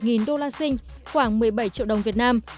khoảng một mươi bảy triệu đồng việt nam